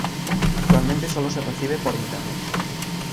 Actualmente solo se recibe por internet.